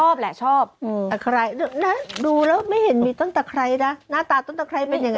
ชอบแหละชอบแต่ใครน่ะดูแล้วไม่เห็นมีตั้งแต่ใครนะหน้าตาตั้งแต่ใครเป็นยังไง